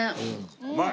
うまい！